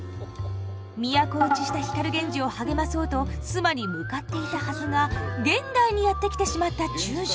都落ちした光源氏を励まそうと須磨に向かっていたはずが現代にやって来てしまった中将。